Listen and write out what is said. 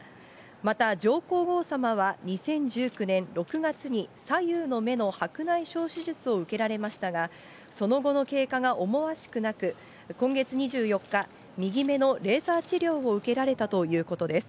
また、上皇后さまは２０１９年６月に左右の目の白内障手術を受けられましたが、その後の経過が思わしくなく、今月２４日、右目のレーザー治療を受けられたということです。